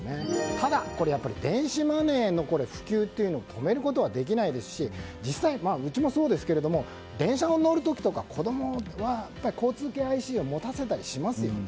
ただ、電子マネーの普及を止めることはできないですし実際、うちもそうですけれども電車に乗る時とか子供には、やっぱり交通系ＩＣを持たせたりしますよね。